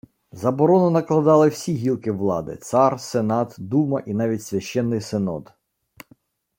Заборону накладали всі гілки влади: цар, сенат, дума і навіть священний синод